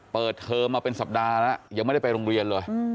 เปิดเทอมมาเป็นสัปดาห์แล้วยังไม่ได้ไปโรงเรียนเลย